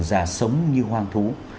già sống như hoang thú